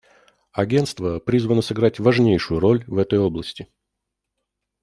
Агентство призвано сыграть важнейшую роль в этой области.